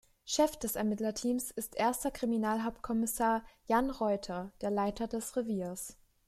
Chef des Ermittlerteams ist Erster Kriminalhauptkommissar Jan Reuter, der Leiter des Reviers.